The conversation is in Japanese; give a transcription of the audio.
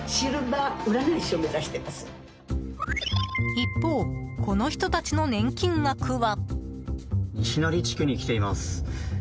一方、この人たちの年金額は。